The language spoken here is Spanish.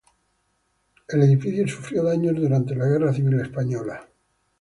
El edificio sufrió daños durante la Guerra Civil Española.